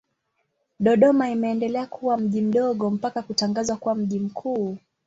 Dodoma imeendelea kuwa mji mdogo mpaka kutangazwa kuwa mji mkuu.